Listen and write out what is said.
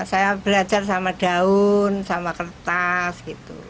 saya belajar sama daun sama kertas gitu